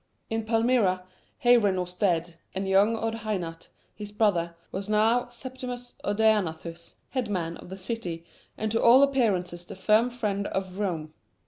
In Palmyra, Hairan was dead, and young Odhainat, his brother, was now Septimus Odaenathus "headman" of the city and to all appearances the firm friend of Rome.